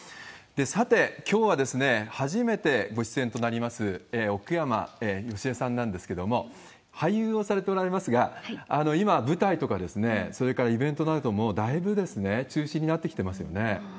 さて、きょうは、初めてご出演となります奥山佳恵さんなんですけれども、俳優をされておられますが、今、舞台とか、それからイベントなんかもだいぶ中止になってきてますよね。